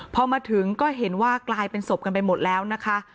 พอมาถึงก็เห็นว่ากลายเป็นศพกันไปหมดแล้วนะคะ